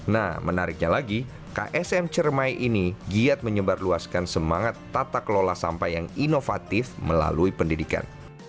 nah menariknya lagi ksm cermai ini giat menyebarluaskan semangat tata kelola sampah yang inovatif melalui pendidikan